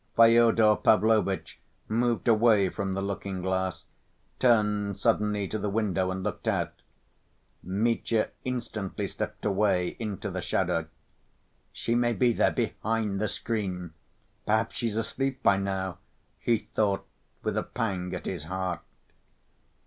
Fyodor Pavlovitch moved away from the looking‐glass, turned suddenly to the window and looked out. Mitya instantly slipped away into the shadow. "She may be there behind the screen. Perhaps she's asleep by now," he thought, with a pang at his heart.